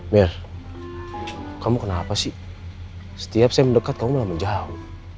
mir kamu kenapa sih setiap saya mendekat kamu malah menjauh